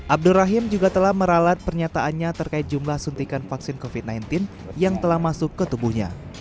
abdur rahim juga telah meralat pernyataannya terkait jumlah suntikan vaksin covid sembilan belas yang telah masuk ke tubuhnya